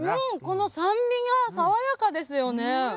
この酸味が爽やかですよね。